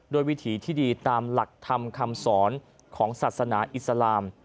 วิถีที่ดีตามหลักธรรมคำสอนของศาสนาอิสลาม